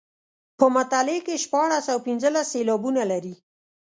په مطلع کې شپاړس او پنځلس سېلابونه لري.